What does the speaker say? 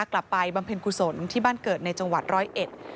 บำเพ็ญกุศลที่บ้านเกิดในจังหวัดร้อยเอ็ด